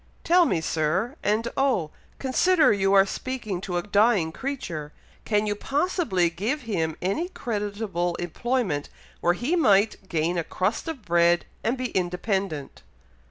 Tell me, Sir! and oh! consider you are speaking to a dying creature can you possibly give him any creditable employment, where he might gain a crust of bread, and be independent?"